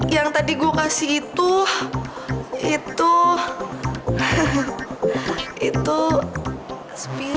yang tadi gue kasih itu itu hehe itu spidol